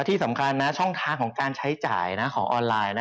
ที่สำคัญนะช่องทางของการใช้จ่ายของออนไลน์